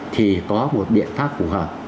thì có một biện pháp phù hợp